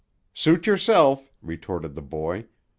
"Suit yerself," retorted the boy.